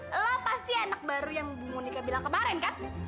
halo pasti anak baru yang bu monika bilang kemarin kan